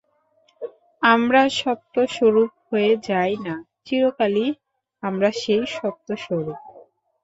আমরা সত্য-স্বরূপ হয়ে যাই না, চিরকালই আমরা সেই সত্যস্বরূপ।